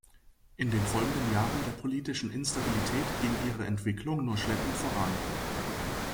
In den folgenden Jahren der politischen Instabilität ging ihre Entwicklung nur schleppend voran.